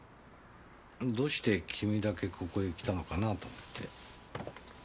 どうして君だけここへ来たのかなと思って。